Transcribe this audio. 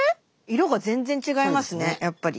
色が全然違いますねやっぱり。